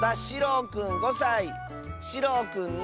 しろうくんの。